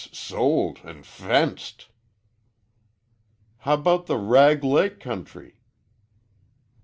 "S sold an' f fenced." "How about the Rag Lake country?"